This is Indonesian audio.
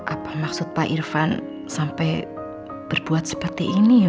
apa maksud pak irfan sampai berbuat seperti ini